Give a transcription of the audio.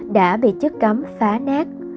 đã bị chức cấm phá nát